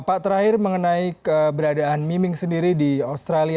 pak terakhir mengenai keberadaan miming sendiri di australia